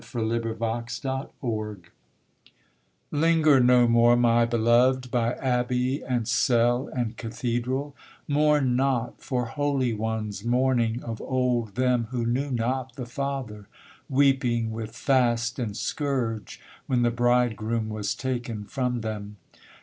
DOWN TO THE MOTHERS Linger no more, my beloved, by abbey and cell and cathedral; Mourn not for holy ones mourning of old them who knew not the Father, Weeping with fast and scourge, when the bridegroom was taken from them.